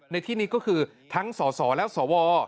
ในที่นี้ก็คือทั้งสสและสว